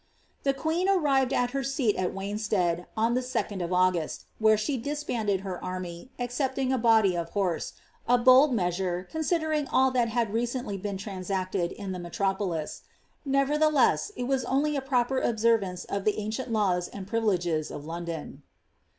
The queen arrived at her seat of Wanstead, on the 3d of Au^sl, where she disbanded her army, excepting a body of horse" — a bold measure, considering bU (hat had recently been transacted in the melro ptilis ; nevertheless, it was only a proper observance of the ancient laws and privileges of London.